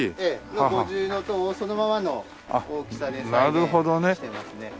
の五重塔をそのままの大きさで再現してますね。